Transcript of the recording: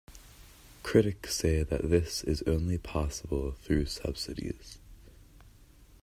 Critics say that this is only possible through subsidies.